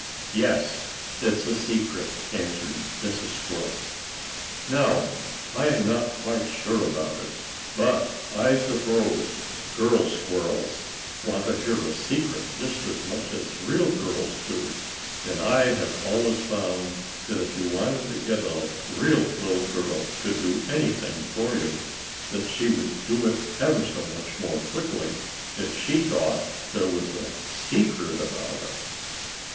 "Yes, it's a secret," answered Mrs. Squirrel. Now I am not quite sure about it, but I suppose girl squirrels want to hear a secret just as much as real girls do, and I have always found that if you wanted to get a real little girl to do anything for you, that she would do it ever so much more quickly, if she thought there was a secret about it.